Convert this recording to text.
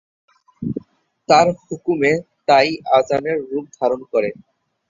তাঁর হুকুমে তা-ই আযানের রূপ ধারণ করে।